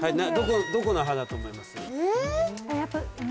どこの歯だと思います？